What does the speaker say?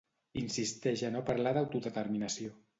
Insisteix a no parlar d'autodeterminació.